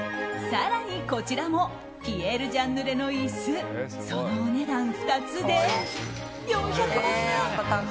更にこちらもピエール・ジャンヌレの椅子そのお値段、２つで４００万円！